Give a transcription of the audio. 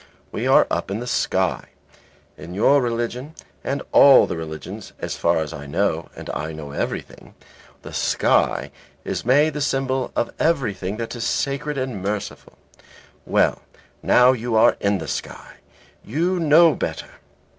We are up in the sky. In your religion and all the religions, as far as I know (and I know everything), the sky is made the symbol of everything that is sacred and merciful. Well, now you are in the sky, you know better.